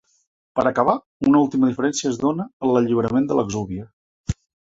Per acabar, una última diferència es dóna en l’alliberament de l’exúvia.